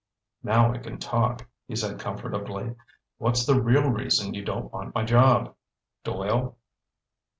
"Now we can talk," he said comfortably. "What's the real reason you don't want my job? Doyle?"